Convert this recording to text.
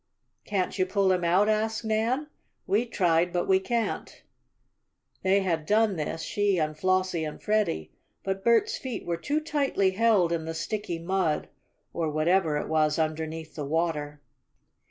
"Can't you pull him out?" asked Nan. "We tried, but we can't." They had done this she and Flossie and Freddie. But Bert's feet were too tightly held in the sticky mud, or whatever it was underneath the water.